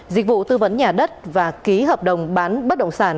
dịch vụ tư vấn nhà đất và ký hợp đồng bán bất động sản